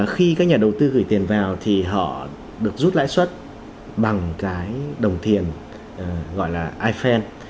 khi các nhà đầu tư gửi tiền vào thì họ được rút lãi suất bằng cái đồng tiền gọi là ifel